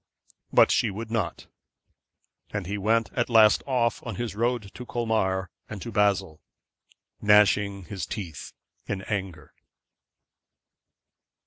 But she would not; and he went at last off on his road to Colmar and Basle, gnashing his teeth in anger.